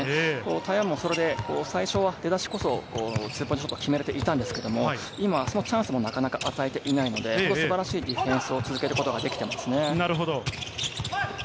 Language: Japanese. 台湾もそれで最初は出だしこそシュートを決めれてはいたんですが、今そのチャンスもなかなか与えていないので、素晴らしいディフェンスを続けることができていますね。